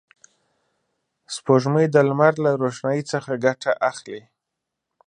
سپوږمۍ د لمر له روښنایي څخه ګټه اخلي